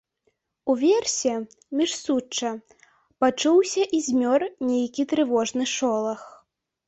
Уверсе, між сучча, пачуўся і змёр нейкі трывожны шолах.